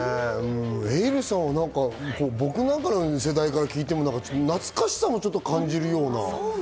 ｅｉｌｌさんは僕なんかの世代が聴いても、懐かしさもちょっと感じるような。